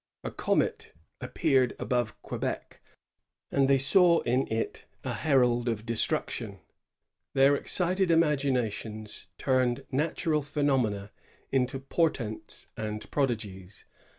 A comet appeared above Quebec, and they saw in it a herald of destruc* tion. Their excited imaginations turned natural phenomena into portents and prodigies.